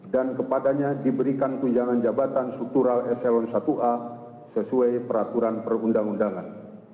dan kepadanya diberikan tunjangan jabatan struktural eselon ia sesuai peraturan perundang undangan